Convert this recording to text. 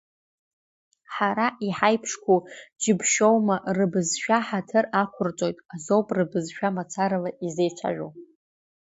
Ҳара иҳаиԥшқәоу џьыбшьоума, рыбызшәа ҳаҭыр ақәырҵоит азоуп рбызшәа мацарала изеицәажәо!